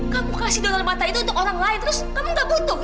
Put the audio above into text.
kamu kasih donor mata itu untuk orang lain terus kamu gak butuh